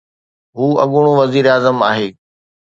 هو اڳوڻو وزيراعظم آهي.